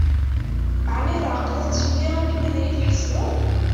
Ɛni tεeqdeḍ-t fell-i akken ad yi-d-tḥesbeḍ?